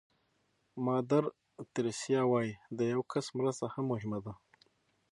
مادر تریسیا وایي د یو کس مرسته هم مهمه ده.